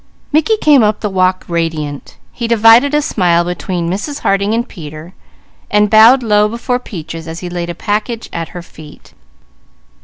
Mickey came up the walk radiant. He divided a smile between Mrs. Harding and Peter, and bowed low before Peaches as he laid a package at her feet.